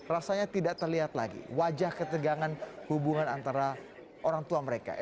rasanya tidak terlihat lagi wajah ketegangan hubungan antara orang tua mereka